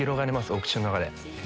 お口の中で。